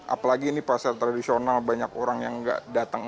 apalagi ini pasar tradisional banyak orang yang nggak datang